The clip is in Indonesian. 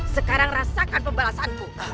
sekarang rasakan pembalasanmu